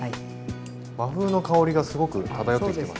和風の香りがすごく漂ってきてます。